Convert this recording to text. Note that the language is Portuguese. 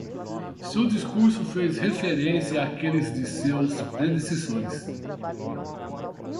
Seu discurso fez referência àqueles de seus predecessores.